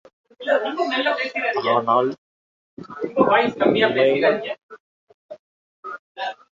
ஆனால் உண்மை என்ன என்பது பாரதப் பிரதமர் ராஜீவ் காந்திக்குத் தெரியாமல் இருந்திருக்கிறது.